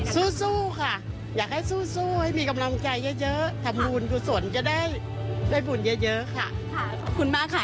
สู้ค่ะอยากให้สู้ให้มีกำลังใจเยอะทำบุญกุศลจะได้ได้บุญเยอะค่ะขอบคุณมากค่ะ